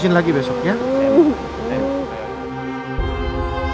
masuk ke abandonus guardingi biar selesai perbincangan